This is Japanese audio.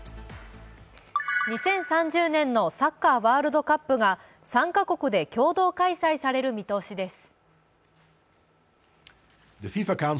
２０３０年のサッカーワールドカップが３か国で共同開催される見通しです。